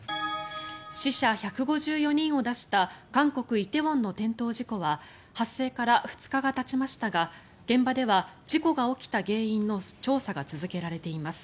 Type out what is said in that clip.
死者１５４人を出した韓国・梨泰院の転倒事故は発生から２日がたちましたが現場では事故が起きた原因の調査が続けられています。